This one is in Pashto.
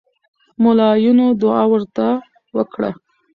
ملاینو دعا ورته وکړه.